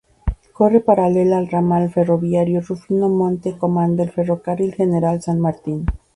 Corre paralela al Ramal ferroviario Rufino-Monte Comán del Ferrocarril General San Martín.